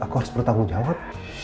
aku harus bertanggung jawab